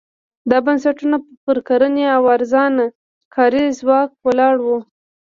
دا بنسټونه پر کرنې او ارزانه کاري ځواک ولاړ وو.